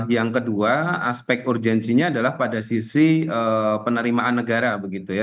yang kedua aspek urgensinya adalah pada sisi penerimaan negara begitu ya